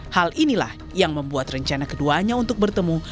hal inilah yang membuat rencana keduanya untuk bertemu